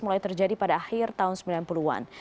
mulai terjadi pada akhir tahun sembilan puluh an